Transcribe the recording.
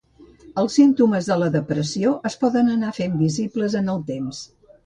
Els símptomes de la depressió es poden anar fent visibles en el temps.